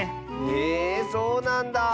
えそうなんだ！